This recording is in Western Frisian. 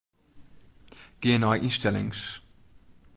Gean nei ynstellings.